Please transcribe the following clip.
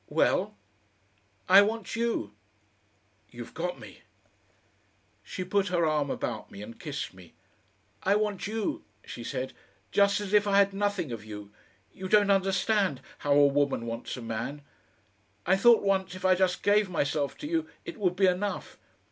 "Well?" "I want you." "You've got me." She put her arm about me and kissed me. "I want you," she said, "just as if I had nothing of you. You don't understand how a woman wants a man. I thought once if I just gave myself to you it would be enough.